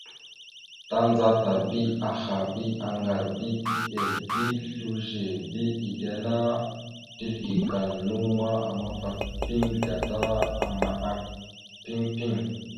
Tandzata aha bi aŋgar bi eɗel bi slʉze bi iɗeŋa ana teslekal naw ma, amafat piŋ gata maɗak piŋ piŋ.